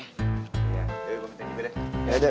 yaudah gua minta juga deh